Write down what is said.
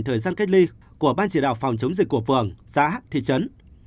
thời gian cách ly của ban chỉ đạo phòng chống dịch của phường xã thị trấn